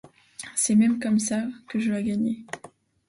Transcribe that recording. C’est même comme ça que je la gagnais.